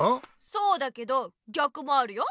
そうだけどぎゃくもあるよ。